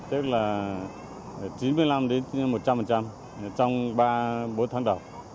trong ba bốn tháng đầu